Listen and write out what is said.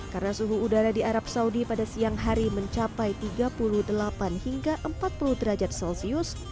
karena suhu udara di arab saudi pada siang hari mencapai tiga puluh delapan hingga empat puluh derajat celcius